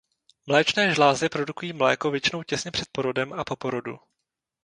Mléčné žlázy produkují mléko většinou těsně před porodem a po porodu.